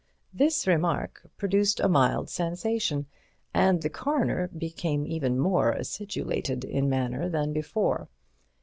This remark produced a mild sensation, and the Coroner became even more acidulated in manner than before.